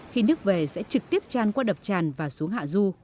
khi nước về sẽ trực tiếp tràn qua đập tràn và xuống hạ du